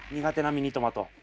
苦手なミニトマト。